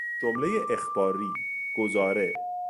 جملهی اخباری، گزاره